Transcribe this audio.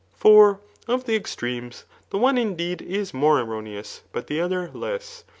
' For of the extremes, the one, indeed, is more erroneous, but the other less.